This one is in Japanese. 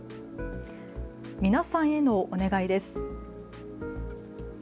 皆さんへのお願いです。